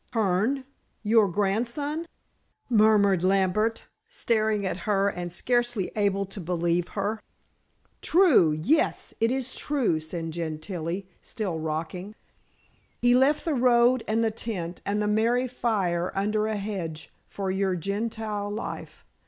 "Hearne your grandson?" murmured Lambert, staring at her and scarcely able to believe her. "True. Yes; it is true," said Gentilla, still rocking. "He left the road, and the tent, and the merry fire under a hedge for your Gentile life.